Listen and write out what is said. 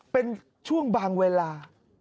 เป็นช่วงบางเวลา